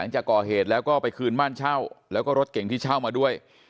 จะก่อเหตุแล้วก็ไปคืนบ้านเช่าแล้วก็รถเก่งที่เช่ามาด้วย